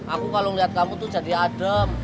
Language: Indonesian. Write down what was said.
aku kalau melihat kamu tuh jadi adem